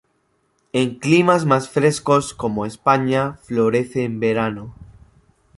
En climas más frescos, como en España, florece en verano.